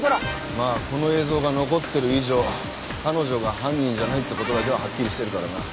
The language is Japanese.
まあこの映像が残ってる以上彼女が犯人じゃないって事だけははっきりしてるからな。